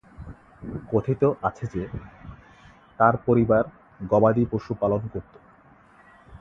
কথিত আছে যে, তার পরিবার গবাদি পশু পালন করত।